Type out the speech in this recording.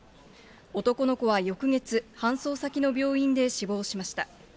男の子は翌月、搬送先の病院で死亡しました。